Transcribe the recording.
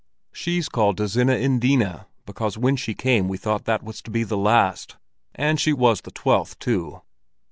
"She's called Dozena Endina, because when she came we thought that was to be the last; and she was the twelfth too."